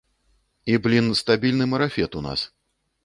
І, блін, стабільны марафет у нас.